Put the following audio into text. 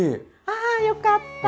ああよかった！